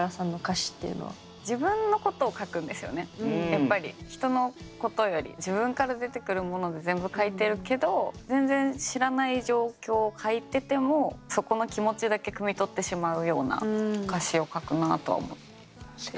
やっぱり人のことより自分から出てくるもので全部書いてるけど全然知らない状況を書いててもそこの気持ちだけくみ取ってしまうような歌詞を書くなあとは思って。